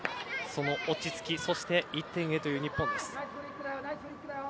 その落ち着き、そして１点へという日本です。